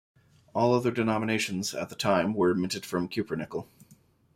All other denominations, at the time, were minted from cupronickel.